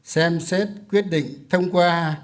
xem xét quyết định thông qua